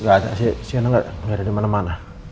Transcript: gak ada si anak gak ada di mana mana